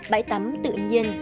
bãi tắm tự nhiên